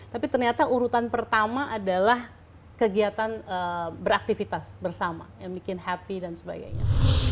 tapi ternyata urutan pertama adalah kegiatan beraktivitas bersama yang bikin happy dan sebagainya